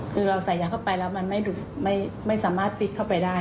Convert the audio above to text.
คือเราใส่ยาเข้าไปแล้วมันไม่สามารถฟิตเข้าไปได้